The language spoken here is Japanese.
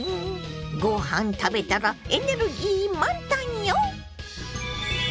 ご飯食べたらエネルギー満タンよ！